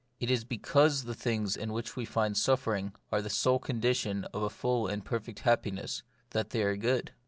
It is because the things in which we find suffering are the sole condition of a full and perfect happiness that they are good.